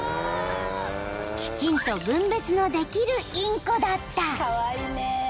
［きちんと分別のできるインコだった］